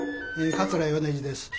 桂米二です。